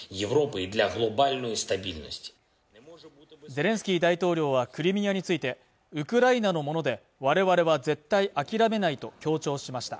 ゼレンスキー大統領はクリミアについてウクライナのものでわれわれは絶対諦めないと強調しました